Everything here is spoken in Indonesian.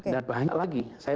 dan banyak lagi